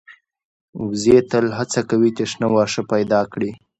وزې تل هڅه کوي چې شنه واښه پیدا کړي